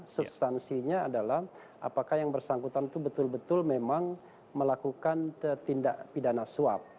substansinya adalah apakah yang bersangkutan itu betul betul memang melakukan tindak pidana suap